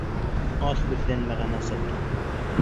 Аҙ һүҙҙән мәғәнә сығыр